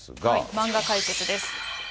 漫画解説です。